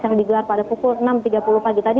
yang digelar pada pukul enam tiga puluh pagi tadi